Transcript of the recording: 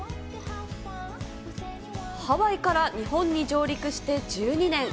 ハワイから日本に上陸して１２年。